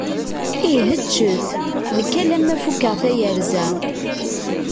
Ih ččet, nekk alemma fukeɣ tayerza.